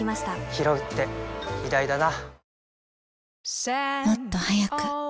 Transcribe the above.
ひろうって偉大だな